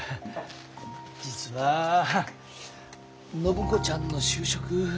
実は暢子ちゃんの就職。